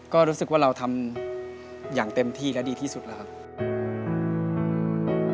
ก็รู้สึกว่าเราทำอย่างเต็มที่และดีที่สุดแล้วครับ